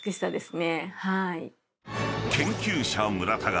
［研究者村田が］